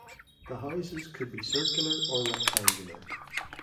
The houses could be circular or rectangular.